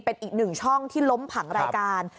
เป็นอีกหนึ่งช่องที่ล้มผังรายการ